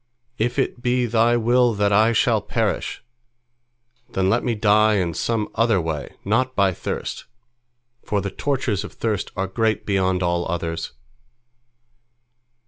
If it be Thy will that I shall perish, then let me die in some other way, not by thirst, for the tortures of thirst are great beyond all others."